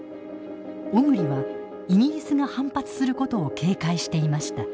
小栗はイギリスが反発することを警戒していました。